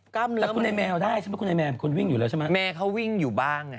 แล้วคุณไอ้แมวได้ใช่ไหมคุณไอแมวคุณวิ่งอยู่แล้วใช่ไหมแมวเขาวิ่งอยู่บ้างไง